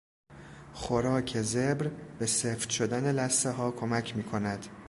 خوراک زبر به سفت شدن لثهها کمک میکند.